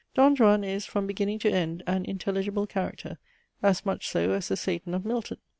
Don Juan is, from beginning to end, an intelligible character: as much so as the Satan of Milton.